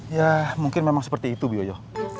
ya mungkin memang seperti itu biojo